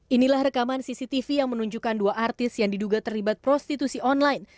inilah rekaman cctv yang menunjukkan dua artis yang diduga terlibat prostitusi online